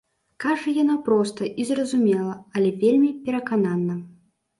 Кажа яна проста і зразумела, але вельмі пераканана.